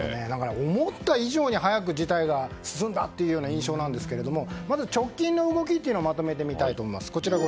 思った以上に早く事態が進んだという印象なんですけれどもまず直近の動きをまとめてみたいと思います。